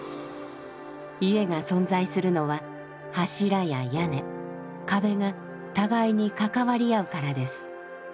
家が存在するのは柱や屋根壁が互いに関わり合うからです。